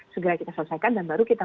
segera kita selesaikan dan baru kita